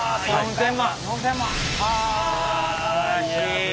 はあすばらしい。